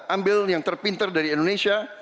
ambil yang terpinter dari indonesia